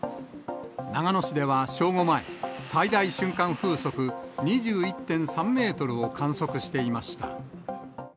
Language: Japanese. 長野市では正午前、最大瞬間風速２１．３メートルを観測していました。